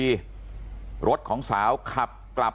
ครับคุณสาวทราบไหมครับ